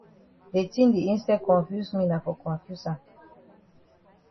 De tin di instead confuse me na for confuse am.